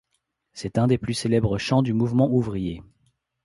C'est un des plus célèbres chants du mouvement ouvrier.